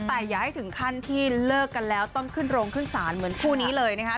แต่อย่าให้ถึงขั้นที่เลิกกันแล้วต้องขึ้นโรงขึ้นศาลเหมือนคู่นี้เลยนะคะ